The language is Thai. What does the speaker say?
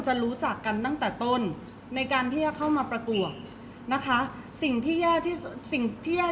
เพราะว่าสิ่งเหล่านี้มันเป็นสิ่งที่ไม่มีพยาน